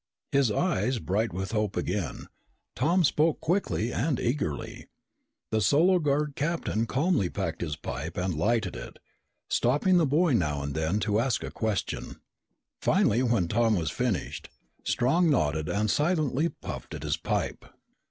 His eyes bright with hope again, Tom spoke quickly and eagerly. The Solar Guard captain calmly packed his pipe and lighted it, stopping the boy now and then to ask a question. Finally, when Tom was finished, Strong nodded and silently puffed at his pipe.